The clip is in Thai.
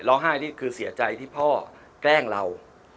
ให้นี่คือเสียใจที่พ่อแกล้งเรา